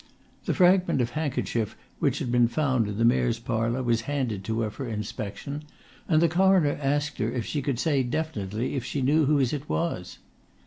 The fragment of handkerchief which had been found in the Mayor's Parlour was handed to her for inspection, and the Coroner asked her if she could say definitely if she knew whose it was.